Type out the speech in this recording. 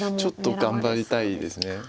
ちょっと頑張りたいです。